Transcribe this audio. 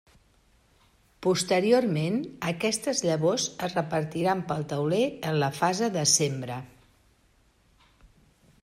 Posteriorment, aquestes llavors es repartiran pel tauler en la fase de sembra.